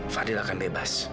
fadil akan bebas